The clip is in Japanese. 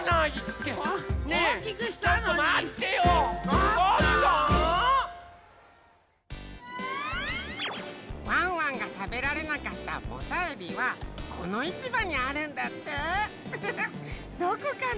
ワンワンがたべられなかったモサエビはこのいちばにあるんだって。